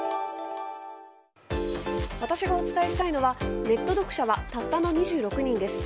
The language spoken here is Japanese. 私がお伝えしたいのはネット読者はたったの２６人です。